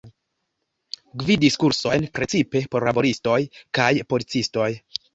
Gvidis kursojn precipe por laboristoj kaj policistoj.